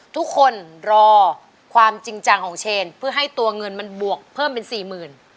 ทุกคนรอความจริงจังของเชนเพื่อให้ตัวเงินมันบวกเพิ่มเป็นสี่หมื่น